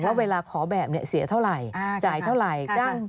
เวลาขอแบบเสียเท่าไหร่จ่ายเท่าไหร่